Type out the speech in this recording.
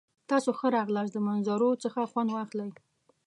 تاسو ښه راغلاست. د منظرو څخه خوند واخلئ!